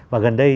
và gần đây